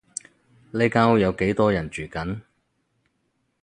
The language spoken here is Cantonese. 呢間屋有幾多人住緊？